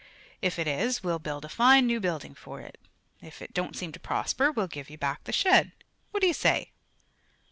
If it is, we'll build a fine new building for it; if it don't seem to prosper, we'll give you back the shed. What do you say?"